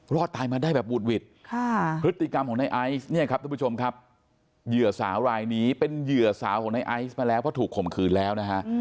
รอดตายมาได้แบบวุดหวิดพฤติกรรมของในไอซ์เนี่ยครับทุกผู้ชมครับเหยื่อสาวรายนี้เป็นเหยื่อสาวของในไอซ์มาแล้วเพราะถูกข่มขืนแล้วนะฮะ